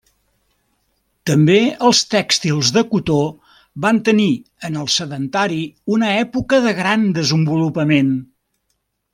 També els tèxtils de cotó van tenir en el Sedentari una època de gran desenvolupament.